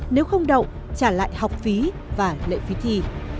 nếu không đậu trả lại học phí và lệ phí thi